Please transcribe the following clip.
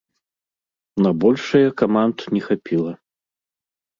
На большае каманд не хапіла.